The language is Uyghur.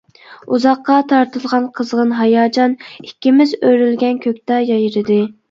ئۇزاققا تارتىلغان قىزغىن ھاياجان، ئىككىمىز ئۆرلىگەن كۆكتە يايرىدى.